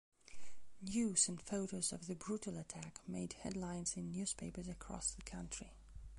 News and photos of the brutal attack made headlines in newspapers across the country.